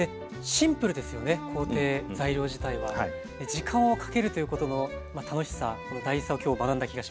時間をかけるということの楽しさ大事さを今日学んだ気がします。